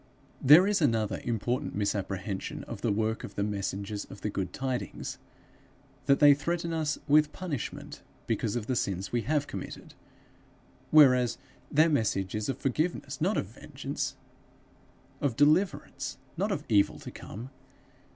There is another important misapprehension of the words of the messengers of the good tidings that they threaten us with punishment because of the sins we have committed, whereas their message is of forgiveness, not of vengeance; of deliverance, not of evil to come.